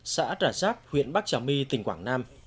xã trà sát huyện bắc trà my tỉnh quảng nam